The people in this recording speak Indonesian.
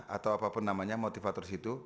atau apapun namanya motivator situ